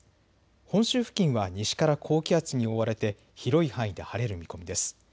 本州付近は西から高気圧に覆われて広い範囲で晴れる見込みです。